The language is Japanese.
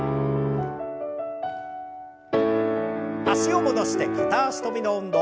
脚を戻して片脚跳びの運動。